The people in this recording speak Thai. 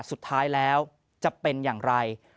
สุดท้ายแล้วจะเป็นอย่างไร